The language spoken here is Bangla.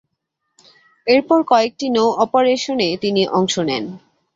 এরপর কয়েকটি নৌ অপারেশনে তিনি অংশ নেন।